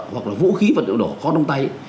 hoặc là vũ khí và nội độ khó đông tay